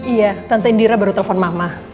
iya tante indira baru telepon mama